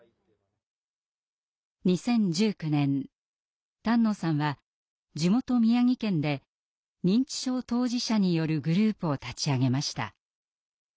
２０１９年丹野さんは地元宮城県で認知症当事者によるグループを立ち上げました。